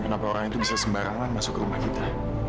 kenapa orang itu bisa sembarangan masuk ke rumah kita